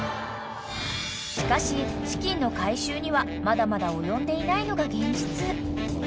［しかし資金の回収にはまだまだ及んでいないのが現実］